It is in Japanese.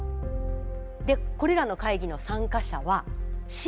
でこれらの会議の参加者は市民です。